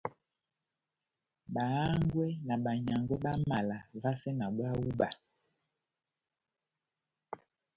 Bá hángwɛ́ na banyángwɛ bá mala vasɛ na búwa hú iba